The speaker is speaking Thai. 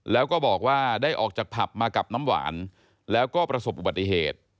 แล้วก็บอกว่าได้ออกจากผับมากับน้ำหวานแล้วก็ประสบอุบัติเหตุ